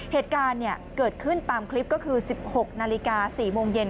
เหตุการณ์เกิดขึ้นตามคลิปก็คือ๑๖นาฬิกา๔โมงเย็น